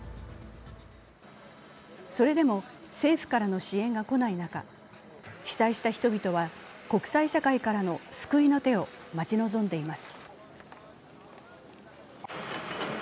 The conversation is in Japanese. それでも政府からの支援が来ない中、被災した人々は国際社会からの救いの手を待ち望んでいます。